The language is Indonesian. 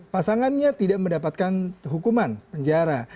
pasangannya tidak mendapatkan hukuman penjara